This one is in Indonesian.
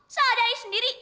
saat dari sendiri